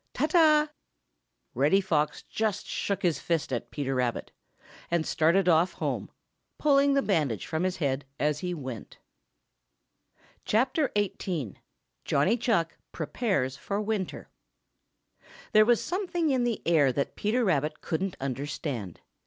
Ta, ta!" Reddy Fox just shook his fist at Peter Rabbit, and started off home, pulling the bandage from his head as he went. XVIII. JOHNNY CHUCK PREPARES FOR WINTER |THERE was something in the air that Peter Rabbit couldn't understand.